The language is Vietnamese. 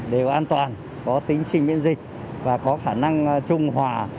đều an toàn có tính sinh miễn dịch và có khả năng trung hòa